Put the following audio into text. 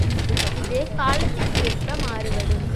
இது காலத்திற் கேற்ப மாறுபடும்.